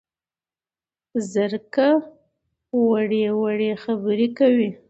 زرکه وړې وړې خبرې کوي